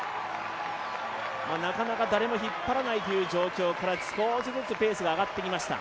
なかなか誰も引っ張らないという状況から少しずつペースが上がってきました。